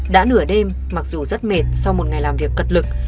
đã nửa đêm mặc dù rất mệt sau một ngày làm việc cật lực